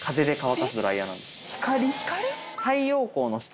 光？